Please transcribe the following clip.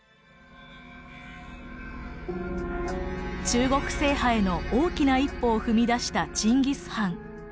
中国制覇への大きな一歩を踏み出したチンギス・ハン。